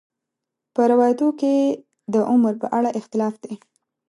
په روایاتو کې د عمر په اړه اختلاف دی.